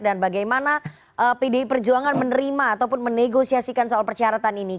dan bagaimana pdi perjuangan menerima ataupun menegosiasikan soal persyaratan ini